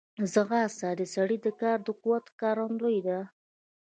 ځغاسته د سړي د کار د قوت ښکارندوی ده